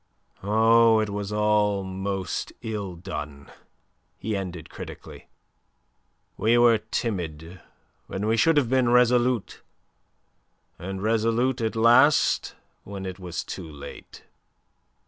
"Oh, it was all most ill done," he ended critically. "We were timid when we should have been resolute, and resolute at last when it was too late.